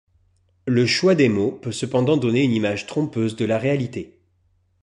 Le choix des mots peut cependant donner une image trompeuse de la réalité.